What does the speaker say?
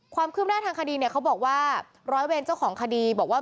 ความคืบหน้าทางคดีเนี่ยเขาบอกว่าร้อยเวรเจ้าของคดีบอกว่า